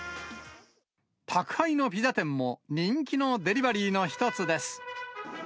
宅配のピザ店も人気のデリバリーの一つです。